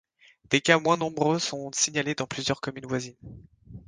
Des cas moins nombreux sont signalés dans plusieurs communes voisines.